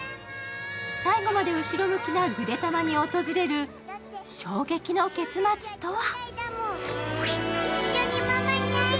最後まで後ろ向きなぐでたまに訪れる衝撃の結末とは。